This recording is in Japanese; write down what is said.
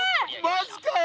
マジかよ！